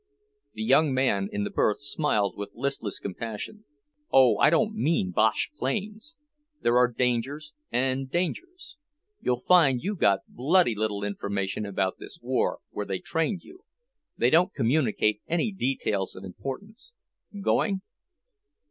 The young man in the berth smiled with listless compassion. "Oh, I don't mean Bosch planes! There are dangers and dangers. You'll find you got bloody little information about this war, where they trained you. They don't communicate any details of importance. Going?"